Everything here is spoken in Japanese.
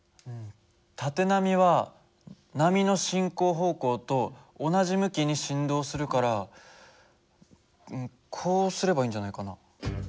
縦波は波の進行方向と同じ向きに振動するからこうすればいいんじゃないかな？